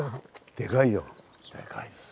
でかいです。